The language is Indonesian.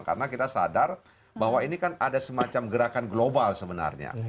karena kita sadar bahwa ini kan ada semacam gerakan global sebenarnya